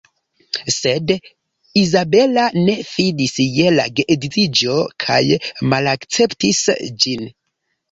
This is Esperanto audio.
Sed Izabela ne fidis je la geedziĝo kaj malakceptis ĝin.